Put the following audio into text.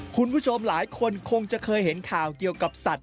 คุณผู้ชมหลายคนคงจะเคยเห็นข่าวเกี่ยวกับสัตว